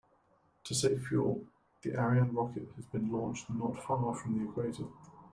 To save fuel, the Ariane rocket has been launched not far from the equator.